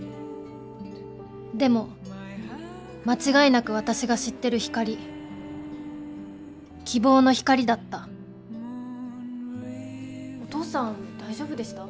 でも間違いなく私が知ってる光希望の光だったお父さん大丈夫でした？